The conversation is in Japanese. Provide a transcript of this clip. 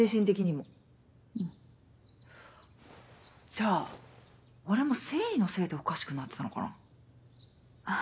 じゃあ俺も生理のせいでおかしくなってたのかな？